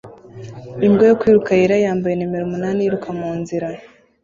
Imbwa yo kwiruka yera yambaye numero umunani yiruka munzira